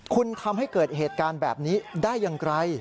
คุณทำให้เกิดเหตุการณ์แบบนี้ได้อย่างไร